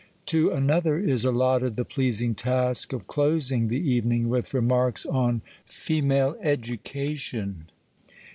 To another is al lotted the pleasing task of closing the evening, with re marks on Female Edueationr'* It i.